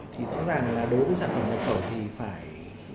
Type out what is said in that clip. thì rõ ràng là đối với sản phẩm nhập khẩu thì phải